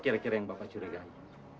kira kira yang bapak curigai